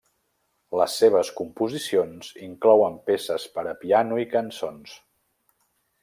Les seves composicions inclouen peces per a piano i cançons.